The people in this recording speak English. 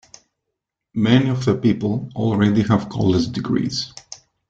Many of the people already have college degrees.